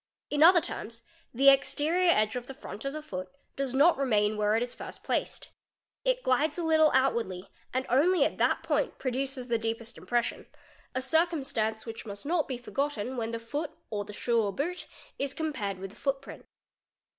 In other terms the exterior edge of the front of the foot does not remain where it is first placed. glides a little outwardly and only at that point produces the deepes impression, a circumstance which must not be forgotten when the foo or the shoe or boot 1s compared with the footprint.